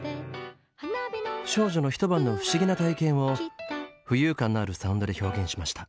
少女のひと晩の不思議な体験を浮遊感のあるサウンドで表現しました。